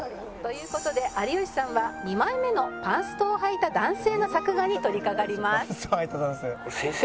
「という事で有吉さんは２枚目のパンストをはいた男性の作画に取りかかります」